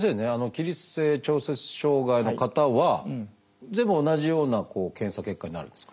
起立性調節障害の方は全部同じような検査結果になるんですか？